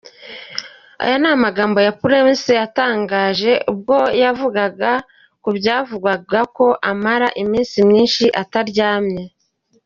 Aya ni amagambo ya Prince yatangaje ubwo yavugaga kubyavugwaga ko amara iminsi myinshi ataryamye.